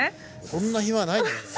そんな暇はないんだろうね。